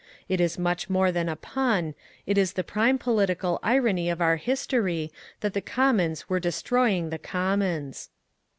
It is much more than a pun, it is the prime political irony of our history that the Commons were destroying the commons.